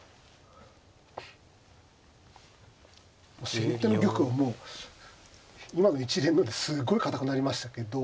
先手の玉はもう今の一連のですごい堅くなりましたけど。